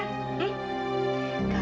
kalau lo masih nekat